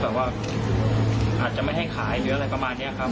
แบบว่าอาจจะไม่ให้ขายหรืออะไรประมาณนี้ครับ